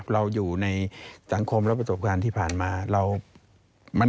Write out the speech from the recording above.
เราอยู่ในสังคมและประสบการณ์ที่ผ่านมา